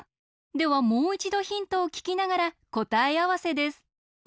ではもういちどヒントをききながらこたえあわせです。